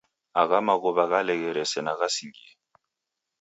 Agha maghuwa ghaleghere sena ghasingie!